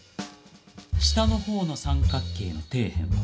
下の方の三角形の底辺は９０ｍ。